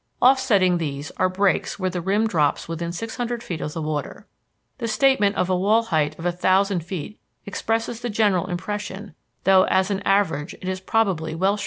Offsetting these are breaks where the rim drops within six hundred feet of the water. The statement of a wall height of a thousand feet expresses the general impression, though as an average it is probably well short of the fact.